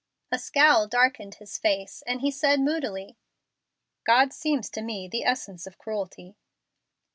A scowl darkened his face, and he said, moodily, "God seems to me the essence of cruelty."